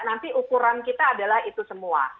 nanti ukuran kita adalah itu semua